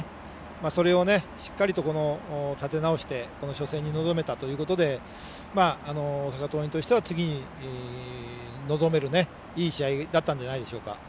それを、しっかりと立て直してこの初戦に臨めたということで大阪桐蔭としては次に臨めるいい試合だったんじゃないでしょうか。